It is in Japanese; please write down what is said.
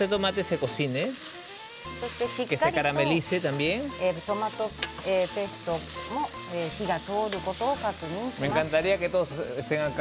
そして、しっかりとトマトペーストも火が通ることを確認します。